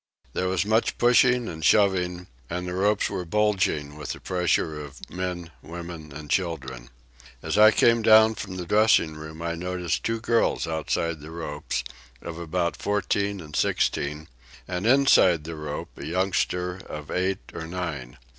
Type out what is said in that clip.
There was much pushing and shoving, and the ropes were bulging with the pressure of men, women and children. As I came down from the dressing room I noticed two girls outside the ropes, of about fourteen and sixteen, and inside the rope a youngster of eight or nine.